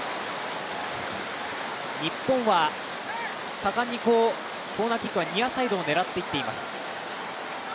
日本は果敢にコーナーキックはニアサイドを狙っていっています。